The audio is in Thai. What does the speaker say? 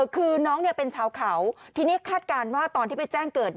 คือน้องเป็นชาวเขาทีนี้คาดการณ์ว่าตอนที่ไปแจ้งเกิด